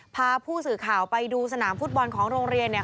พาผู้สื่อข่าวไปดูสนามฟุตบอลของโรงเรียนเนี่ย